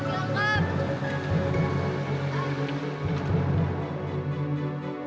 sulengkan sulengkan sulengkan